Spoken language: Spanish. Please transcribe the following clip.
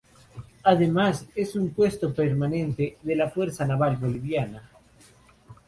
Además, es un puesto permanente de la Fuerza Naval Boliviana.